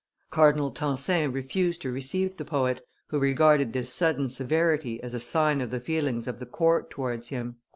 Cardinal Tencin refused to receive the poet, who regarded this sudden severity as a sign of the feelings of the court towards him.